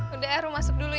udah ya ruh masuk dulu ya